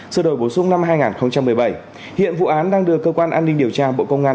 sự đổi bổ sung năm hai nghìn một mươi bảy hiện vụ án đang được cơ quan an ninh điều tra bộ công an